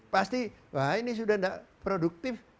pasti wah ini sudah tidak produktif